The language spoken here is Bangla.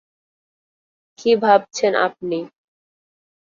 কি ভাবছেন, আপনি?